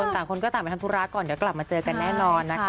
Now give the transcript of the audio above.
ต่างคนก็ต่างไปทำธุระก่อนเดี๋ยวกลับมาเจอกันแน่นอนนะคะ